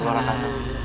terima kasih pak